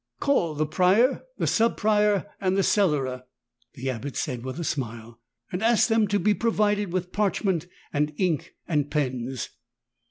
"Call the Prior, the Sub Prior, and the Cellarer,'^ the Abbot said with a smile : "and ask them to be provided with parchment and ink and pens.